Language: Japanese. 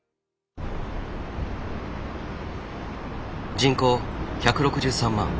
人口１６３万